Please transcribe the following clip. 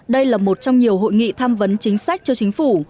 đây là một trong nhiều hội nghị tham vấn chính sách cho chính phủ